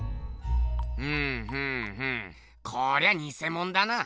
ふんふんふんこりゃニセモンだな。